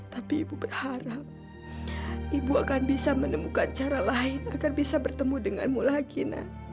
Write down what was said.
tapi ibu berharap ibu akan bisa menemukan cara lain agar bisa bertemu denganmu lagi